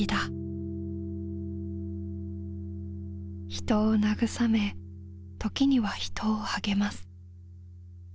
人を慰め時には人を励ます。